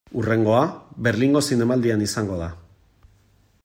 Hurrengoa, Berlingo Zinemaldian izango da.